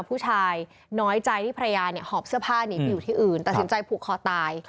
ผู้ชายน้อยใจที่ภรรยาหอบเสื้อผ้าหนีไปอยู่ที่อื่นตัดสินใจผูกคอตาย